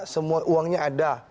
semua uangnya ada